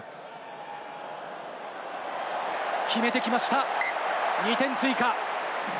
決めてきました、２点追加。